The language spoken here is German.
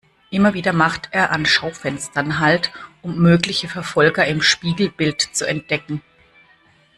Immer wieder macht er an Schaufenstern halt, um mögliche Verfolger im Spiegelbild zu entdecken.